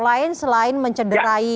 lain selain mencederai